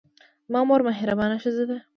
زما مور مهربانه ښځه ده.